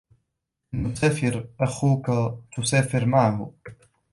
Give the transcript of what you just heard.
إِنْ يُسَافِرْ أَخُوكَ تُسَافِرْ مَعَهُ.